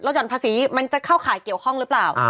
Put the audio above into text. หย่อนภาษีมันจะเข้าข่ายเกี่ยวข้องหรือเปล่า